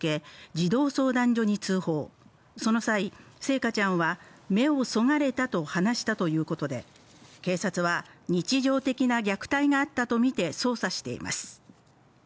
児童相談所に通報その際星華ちゃんは目をそがれたと話したということで警察は日常的な虐待があったとみて捜査しています